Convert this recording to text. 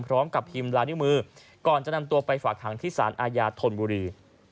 พร้อมกับพิมพ์ลายนิ้วมือก่อนจะนำตัวไปฝากหางที่สารอาญาธนบุรี